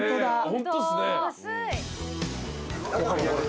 ホントっすね。